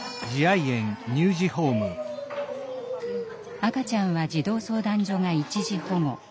赤ちゃんは児童相談所が一時保護。